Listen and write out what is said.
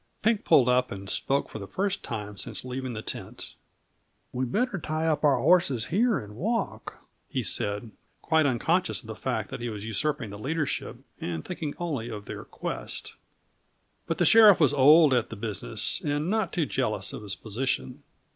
Pink pulled up and spoke for the first time since leaving the tent. "We better tie up our horses here and walk," he said, quite unconscious of the fact that he was usurping the leadership, and thinking only of their quest. But the sheriff was old at the business, and not too jealous of his position.